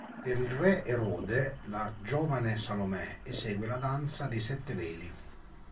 Per il re Erode, la giovane Salomè esegue la danza dei sette veli.